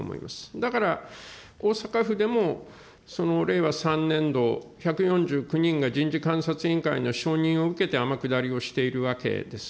だから大阪府でも、令和３年度、１４９人が、人事監察委員会の承認を受けて天下りをしているわけです。